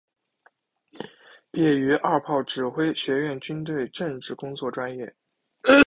毕业于二炮指挥学院军队政治工作专业。